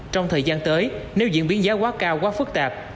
trong thời gian tới nếu diễn biến giá quá cao quá phức tạp